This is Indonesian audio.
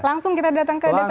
langsung kita datang ke desa